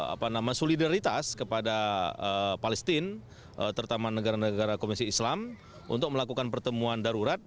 apa nama solidaritas kepada palestine terutama negara negara komisi islam untuk melakukan pertemuan darurat